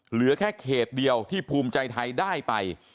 เหลือแค่เขตเดียวที่ภูมิใจไทยได้ไป